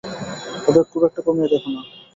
ওদের খুব একটা কমিয়ে দেখো না।